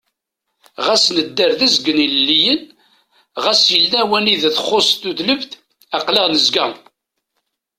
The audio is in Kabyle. Ɣas nedder d azgen-ilelliyen, ɣas yella wanida txuṣ tlulebt, aql-aɣ nezga!